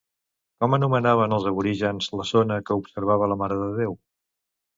Com anomenaven els aborígens la zona que observava la Mare de Déu?